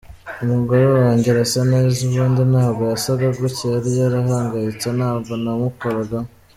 Umugore wanjye arasa neza ubundi ntabwo yasaga gutya yari yarahangayitse, ntabwo namukoragaho.